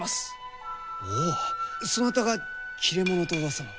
おおっそなたが切れ者とうわさの。